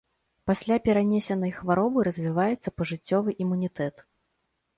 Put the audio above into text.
Пасля перанесенай хваробы развіваецца пажыццёвы імунітэт.